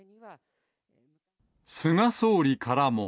菅総理からも。